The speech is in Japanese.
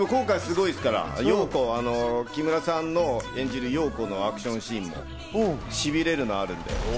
今回すごいですから、ヨウコ、木村さんの演じるヨウコのアクションシーンもしびれるのがあるんで。